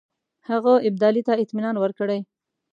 هغه ابدالي ته اطمینان ورکړی.